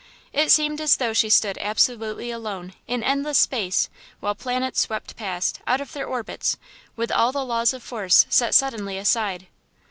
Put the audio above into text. It seemed as though she stood absolutely alone, in endless space, while planets swept past, out of their orbits, with all the laws of force set suddenly aside.